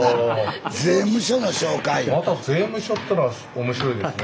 また税務署ってのは面白いですね。